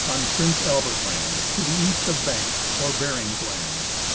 on Prince Albert land, to the east of Bank's or Baring's land.